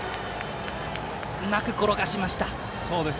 うまく転がしました。